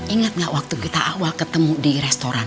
ingat gak waktu kita awal ketemu di restoran